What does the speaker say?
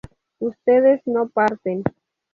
ustedes no parten